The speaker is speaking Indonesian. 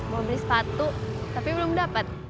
mau beli sepatu tapi belum dapat